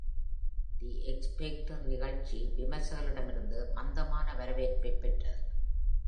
“தி X Factor” நிகழ்ச்சி விமர்சகர்களிடமிருந்து மந்தமான வரவேற்பைப் பெற்றது.